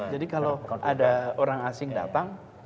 jadi kalau ada orang asing datang